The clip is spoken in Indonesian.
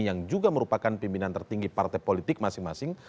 yang juga merupakan pimpinan tertinggi partai politik masing masing